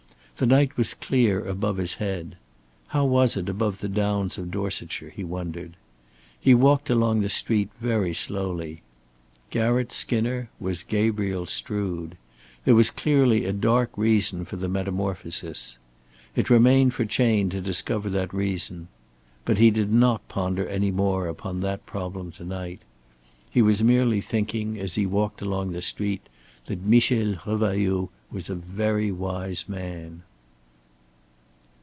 The night was clear above his head. How was it above the Downs of Dorsetshire, he wondered. He walked along the street very slowly. Garratt Skinner was Gabriel Strood. There was clearly a dark reason for the metamorphosis. It remained for Chayne to discover that reason. But he did not ponder any more upon that problem to night. He was merely thinking as he walked along the street that Michel Revailloud was a very wise man.